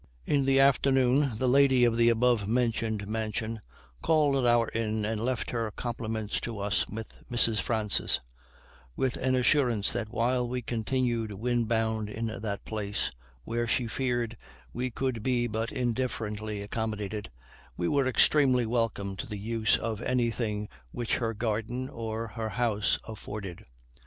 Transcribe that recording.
In the afternoon the lady of the above mentioned mansion called at our inn, and left her compliments to us with Mrs. Francis, with an assurance that while we continued wind bound in that place, where she feared we could be but indifferently accommodated, we were extremely welcome to the use of anything which her garden or her house afforded.